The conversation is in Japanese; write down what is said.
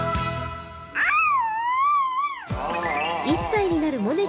１歳になるもね